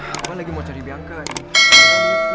abang lagi mau cari bianca ini